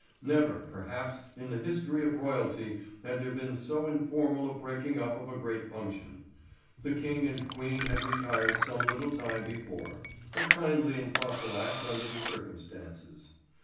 Never, perhaps, in the history of royalty had there been so informal a breaking up of a great function. The King and Queen had retired some little time before a kindly and thoughtful act under the circumstances.